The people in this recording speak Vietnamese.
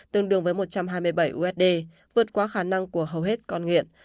tương đương với một trăm hai mươi bảy usd vượt qua khả năng của hầu hết con nghiện